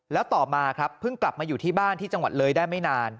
แล้วต่อมาครับเพิ่งกลับมาอยู่ที่บ้านที่จังหวัดเลยได้ไม่นาน